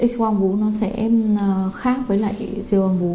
x quang vố nó sẽ khác với lại siêu âm vố